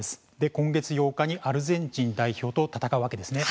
今月８日にアルゼンチン代表と戦うわけです。